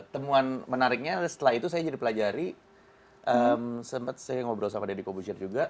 temuan menariknya setelah itu saya jadi pelajari sempat saya ngobrol sama deddy kobusir juga